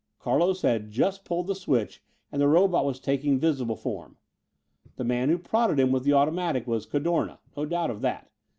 Carlos had just pulled the switch and the robot was taking visible form. The man who prodded him with the automatic was Cadorna, no doubt of that.